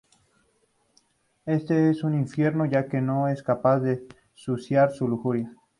Éste es su infierno, ya que no es capaz de saciar su lujuria.